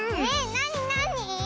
なになに？